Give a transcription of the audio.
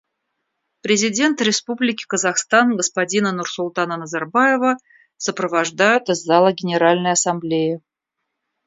Президента Республики Казахстан господина Нурсултана Назарбаева сопровождают из зала Генеральной Ассамблеи.